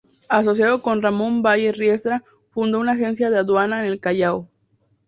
Asociado con Ramón Valle Riestra, fundó una agencia de aduana en el Callao.